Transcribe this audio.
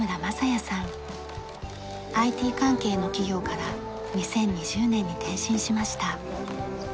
ＩＴ関係の企業から２０２０年に転身しました。